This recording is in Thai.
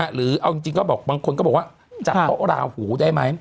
หรือเอาจริงบางคนก็บอกว่าจัดโต๊ะราหูได้ไหม